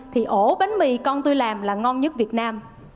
thì ổ bánh mì con tôi làm là ngon nhất việt nam